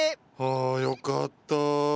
あよかった。